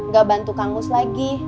gak bantu kang mus lagi